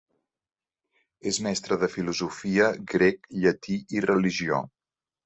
És mestre de filosofia, grec, llatí i religió.